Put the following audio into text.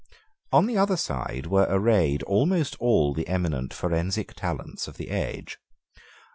On the other side were arrayed almost all the eminent forensic talents of the age.